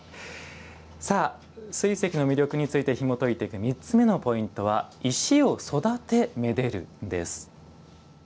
水石の魅力についてひもといていく３つ目のポイントは「石を育て愛でる」です。